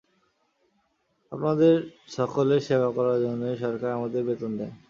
আপনাদের সকলের সেবা করার জন্যই সরকার আমাদের বেতন দেন।